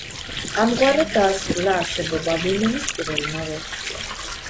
ამგვარად დაასრულა არსებობა „ვენომის“ პირველმა ვერსიამ.